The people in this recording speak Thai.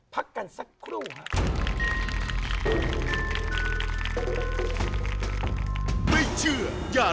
พักกันสักครู่ฮะ